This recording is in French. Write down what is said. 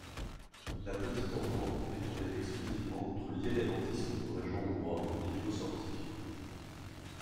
La Petite Entente est tournée exclusivement contre l'irrédentisme du régent hongrois Miklós Horthy.